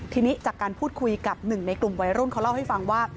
ทีนี้จากการพูดคุยกับหนึ่งในกลุ่มวัยรุ่นเขาเล่าให้ฟังว่า